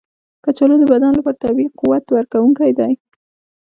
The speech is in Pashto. کچالو د بدن لپاره طبیعي قوت ورکونکی دی.